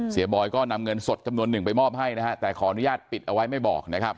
บอยก็นำเงินสดจำนวนหนึ่งไปมอบให้นะฮะแต่ขออนุญาตปิดเอาไว้ไม่บอกนะครับ